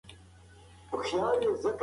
ده د راتلونکي لپاره بنسټ ايښود.